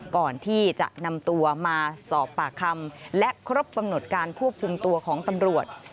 ก่อนที่จะนำตัวมาสอบปากคำและครบกำหนดการควบคุมตัวของตำรวจ